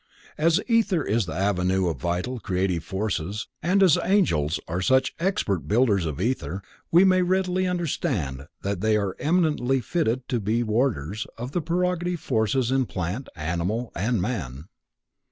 As ether is the avenue of vital, creative forces, and as angels are such expert builders of ether, we may readily understand that they are eminently fitted to be warders of the propagative forces in plant, animal and man.